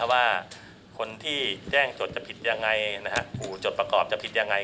ว่าคนที่แจ้งจดจะผิดยังไงผู้จดประกอบจะผิดยังไง